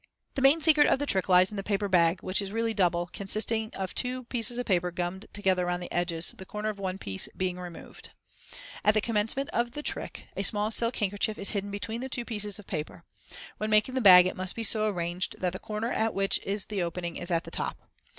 Fig. 33. Plan of Paper Bag. The main secret of the trick lies in the paper bag, which is really double, consisting of two pieces of paper gummed together round the edges, the corner of one piece being removed, as in Fig. 33. At the commencement of the trick a small silk handkerchief is hidden between the two pieces of paper, When making the bag it must be so arranged that the corner at which is the opening is at the top.